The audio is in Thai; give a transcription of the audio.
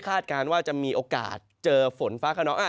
คาดการณ์ว่าจะมีโอกาสเจอฝนฟ้า